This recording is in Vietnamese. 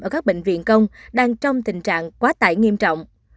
ở các bệnh viện công đang trong tình trạng quá tải nghiêm trọng